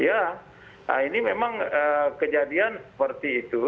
ya nah ini memang kejadian seperti itu